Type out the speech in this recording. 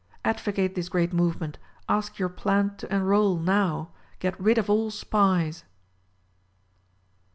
Advocate this great movement; ask your plant to enroll, now; get rid of all SPIES!